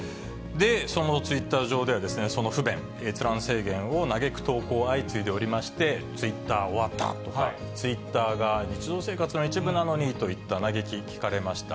そのツイッター上では、その不便、閲覧制限を嘆く投稿、相次いでおりまして、ツイッター終わったとか、ツイッターが日常生活の一部なのにといった嘆き、聞かれました。